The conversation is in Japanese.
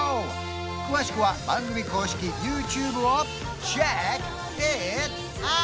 詳しくは番組公式ＹｏｕＴｕｂｅをｃｈｅｃｋｉｔｏｕｔ！